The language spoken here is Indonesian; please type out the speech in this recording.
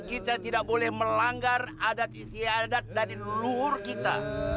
kita tidak boleh melanggar adat istiadat dari luhur kita